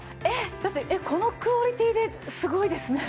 だってこのクオリティーですごいですね。